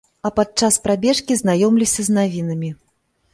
А падчас прабежкі знаёмлюся з навінамі.